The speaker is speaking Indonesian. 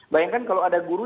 bayangkan kalau ada guru